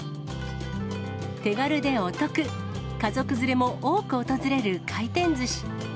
手軽でお得、家族連れも多く訪れる回転ずし。